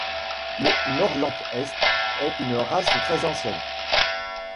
Le nordlandshest est une race très ancienne.